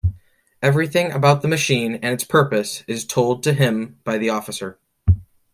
Everything about the machine and its purpose is told to him by the Officer.